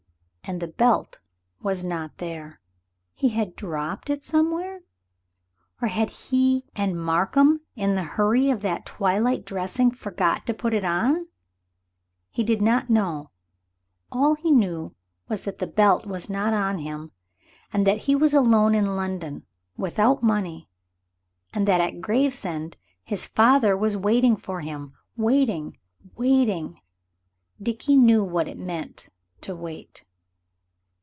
And the belt was not there! Had he dropped it somewhere? Or had he and Markham, in the hurry of that twilight dressing, forgotten to put it on? He did not know. All he knew was that the belt was not on him, and that he was alone in London, without money, and that at Gravesend his father was waiting for him waiting, waiting. Dickie knew what it meant to wait.